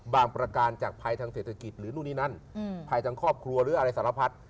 ประการจากภัยทางเศรษฐกิจหรือนู่นนี่นั่นภายทางครอบครัวหรืออะไรสารพัด